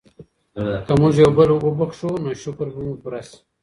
که موږ یو بل وبښو نو شکر به مو پوره سي.